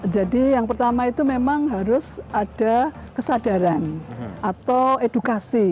jadi yang pertama itu memang harus ada kesadaran atau edukasi